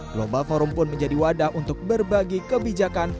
global forum pun menjadi wadah untuk berbagi kebijakan